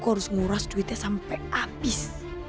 gua harus nguras duitnya sampai abis